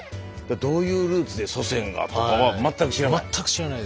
どういうルーツで祖先がとかは全く知らない？